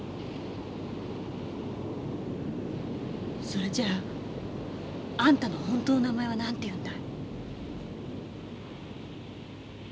それじゃあんたの本当の名前は何ていうんだい？